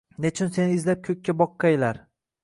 Nechun seni izlab ko‘kka boqqaylar